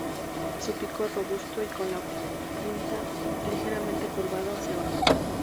Su pico es robusto y con la punta ligeramente curvado hacia abajo.